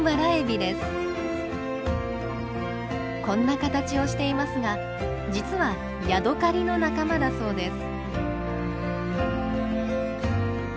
こんな形をしていますが実はヤドカリの仲間だそうです。